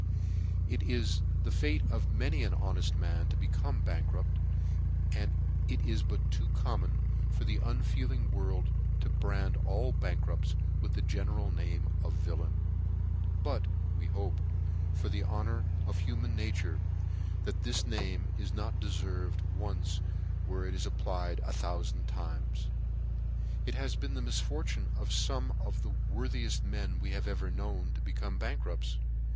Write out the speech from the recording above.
It is the fate of many an honeft man to become a bank rupt, and it is but too common for the unfeeling world to brand all bankrupts with the general name of villain : but, we hope, for the honour of human nature, that this name is not deferved once where it is applied a thoufand times. It has been the misfortune of fomeof the wor thieft men we have ever known to become bank rupts.